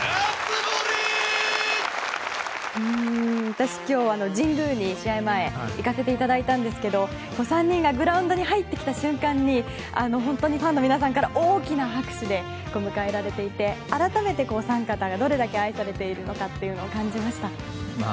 私、今日、神宮に試合前行かせていただいたんですが３人がグラウンドに入ってきた瞬間に本当にファンの皆さんから大きな拍手で迎えられていて改めてお三方が、どれだけ愛されているかというのを感じました。